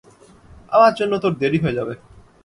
আমার জন্য তোর দেরি হয়ে যাবে।